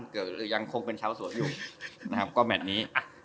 หรือยังคงเป็นชาวสวนอยู่ก็แมทนี้